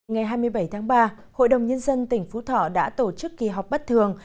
ngày hai mươi bảy tháng ba hội đồng nhân dân tỉnh phú thọ đã tổ chức kỳ họp bất thường